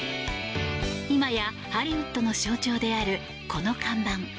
今やハリウッドの象徴であるこの看板。